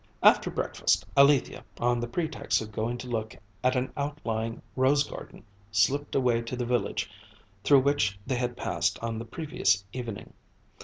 After breakfast Alethia, on the pretext of going to look at an outlying rose garden, slipped away to the village through which they had passed on the previous evening.